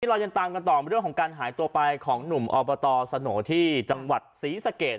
เรายังตามกันต่อเรื่องของการหายตัวไปของหนุ่มอบตสโหนที่จังหวัดศรีสะเกด